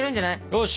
よし！